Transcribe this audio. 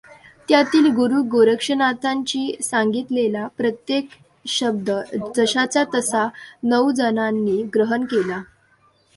त्यातील गुरू गोरक्षनाथांची सांगितलेला प्रत्येक शब्द जसाच्या तसा नऊ जणांनी ग्रहण केला.